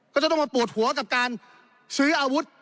ก็จะต้องมาปวดหัวกับการซื้ออาวุธ